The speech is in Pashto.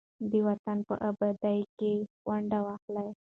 د وطن په ابادۍ کې ونډه واخلئ.